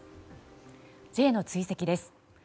Ｊの追跡です。